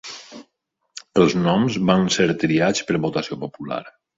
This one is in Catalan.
Els noms van ser triats per votació popular.